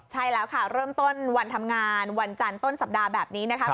ใช่แล้วค่ะเริ่มต้นวันทำงานวันจันทร์ต้นสัปดาห์แบบนี้นะคะ